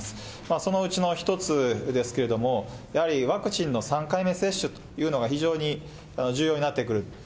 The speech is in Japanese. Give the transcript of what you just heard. そのうちの一つですけれども、やはりワクチンの３回目接種というのが非常に重要になってくる。